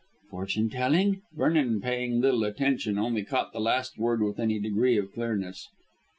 "Fortune telling?" Vernon, paying little attention, only caught the last word with any degree of clearness.